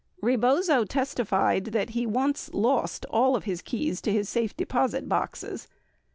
78 Rebozo testified that he once lost all of his keys to his safe deposit boxes.